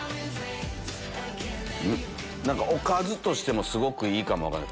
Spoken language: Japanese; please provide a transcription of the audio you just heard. おかずとしてもすごくいいかも分かんない。